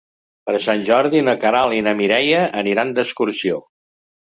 Per Sant Jordi na Queralt i na Mireia aniran d'excursió.